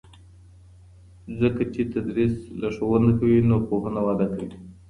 ځکه چې تدریس لارښوونه کوي نو پوهنه وده کوي.